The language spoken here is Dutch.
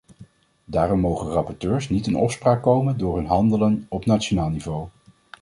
Daarom mogen rapporteurs niet in opspraak komen door hun handelen op nationaal niveau.